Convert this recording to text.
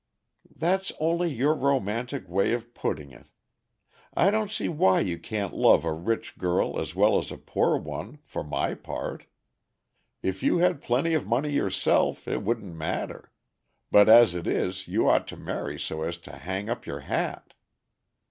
"That's only your romantic way of putting it. I don't see why you can't love a rich girl as well as a poor one, for my part. If you had plenty of money yourself it wouldn't matter; but as it is you ought to marry so as to hang up your hat."